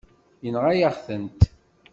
Yenɣa-yaɣ-tent.